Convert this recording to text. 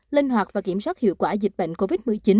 linh hoạt và kiểm soát hiệu quả dịch bệnh covid một mươi chín